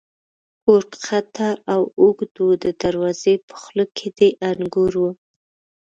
کور کښته او اوږد و، د دروازې په خوله کې د انګورو.